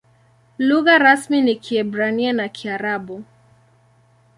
Lugha rasmi ni Kiebrania na Kiarabu.